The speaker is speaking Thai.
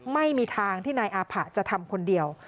ไม่มีทางที่นายอาผะจะทำคนเดียว